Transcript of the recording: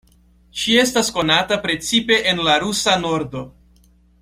Ŝi estas konata precipe en la Rusa Nordo.